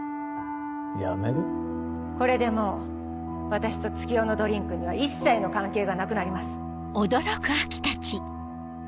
これでもう私と月夜野ドリンクには一切の関係がなくなります。